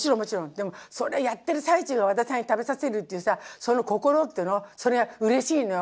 でもそれやってる最中が和田さんに食べさせるっていうさその心っていうのそれがうれしいのよ。